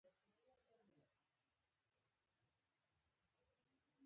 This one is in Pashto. ترکیب له اسمونو څخه جوړېدای سي.